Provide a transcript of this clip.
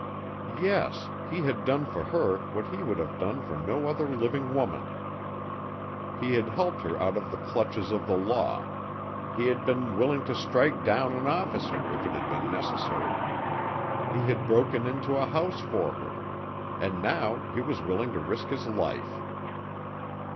Yes, he had done for her what he would have done for no other living woman. He had helped her out of the clutches of the law, he had been willing to strike down an officer if it had been necessary, he had broken into a house for her, and now he was willing to risk his life.